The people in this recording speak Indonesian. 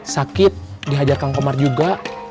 sakit dihajar kang komar juga